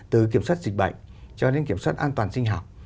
từ kiểm soát dịch bệnh cho đến kiểm soát an toàn sinh học